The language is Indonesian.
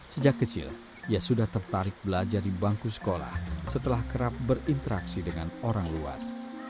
sejak kecil ia sudah tertarik belajar di bangku sekolah setelah kerap berinteraksi dengan orang luar